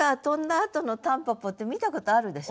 あとの蒲公英って見たことあるでしょ？